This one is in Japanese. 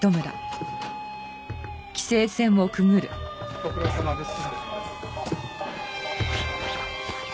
ご苦労さまです。